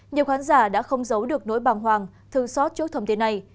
nhiều khán giả đã không giấu được nỗi bàng hoàng thương xót trước thông tin này